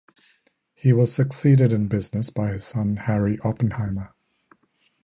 He was succeeded in the business by his son Harry Oppenheimer.